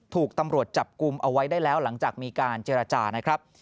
ถูกตำรวจจับกลุ่มเอาไว้ได้แล้วหลังจากมีการเจรจานะครับ